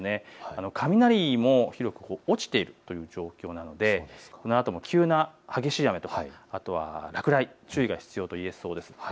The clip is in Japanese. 雷も広く落ちているという状況なのでこのあとも急な激しい雨や落雷、注意が必要といえそうです。